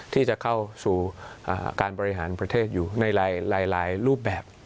ที่จะเข้าสู่การบริหารประเทศอยู่ในหลายรูปแบบ